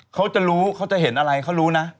เขาจะรู้เขาจะเห็นอะไรเขารู้นะ